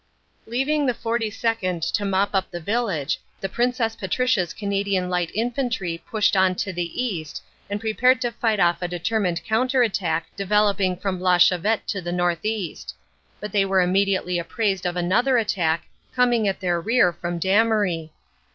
Leaving the 42nd. to mop up the village, the P. P.L.I. pushed on to the east, and prepared to fight off a determined counter attack developing from La Chavette to the northeast; but they were immediately appraised of another attack coming at their rear from Damery.